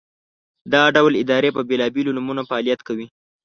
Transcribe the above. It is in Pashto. دا ډول ادارې په بېلابېلو نومونو فعالیت کوي.